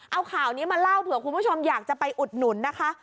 เอาข่าวนี้มาเล่าเผื่อคุณผู้ชมอยากจะไปอุดหนุนนะคะ